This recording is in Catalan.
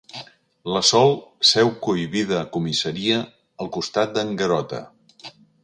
La Sol seu cohibida a comissaria, al costat d'en Garota.